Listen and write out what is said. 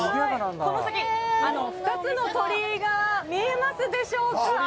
この先２つの鳥居が見えますでしょうか？